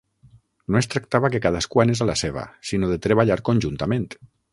No es tractava que cadascú anés a la seva, sinó de treballar conjuntament.